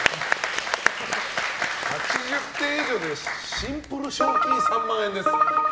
８０点以上でシンプル賞金３万円です。